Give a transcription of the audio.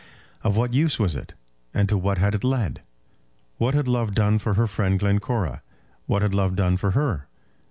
Of what use was it, and to what had it led? What had love done for her friend Glencora? What had love done for her?